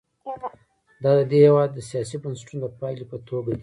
دا د دې هېواد د سیاسي بنسټونو د پایلې په توګه دي.